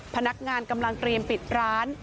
พนักงานกำลังเตรียมปิดร้าน